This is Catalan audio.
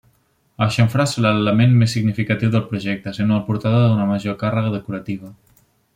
El xamfrà serà l'element més significatiu del projecte, sent el portador d'una major càrrega decorativa.